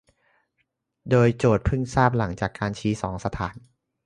โดยโจทก์เพิ่งทราบหลังจากการชี้สองสถาน